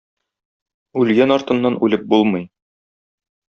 Үлгән артыннан үлеп булмый.